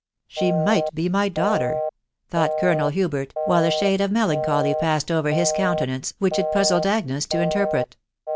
" She might be my daughter," thought Colonel Hubert, while a shade of melancholy passed over his countenance which it puzzled Agnes to interpret.